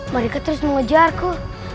mereka terus mengejar aku